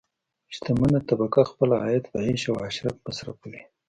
شتمنه طبقه خپل عاید په عیش او عشرت مصرفوي.